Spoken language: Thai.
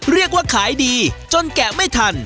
เรียกว่าขายดีจนแกะไม่ทัน